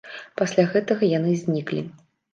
Пасля гэтага яны зніклі.